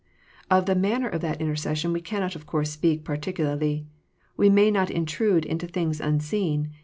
Of the manner of that intercession we cannot of course speak particularly : we may not intrude into things unseen.